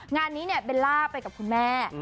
งานนี้เบลล่าไปกับคุณแม่